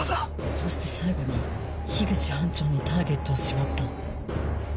そして最後に口班長にターゲットを絞った。